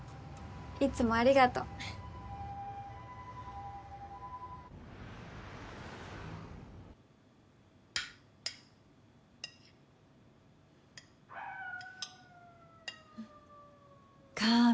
いつもありがとう。髪。